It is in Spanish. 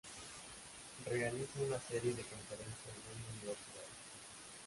Realiza una serie de conferencias en universidades.